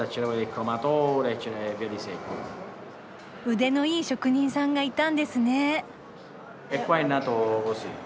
腕のいい職人さんがいたんですね。